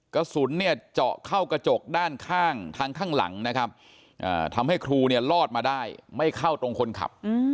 กระสุนเจาะเข้ากระจกด้านข้างทางข้างหลังทำให้ครูรอดมาได้ไม่เข้าตรงคนขับ